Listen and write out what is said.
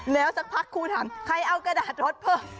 แล้วสักพักครูถามใครเอากระดาษรถเพิ่ม